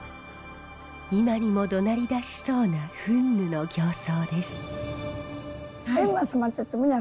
今にもどなりだしそうな憤ぬの形相です。